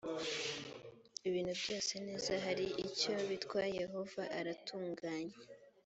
ibintu byose neza hari icyo bitwayehova aratunganye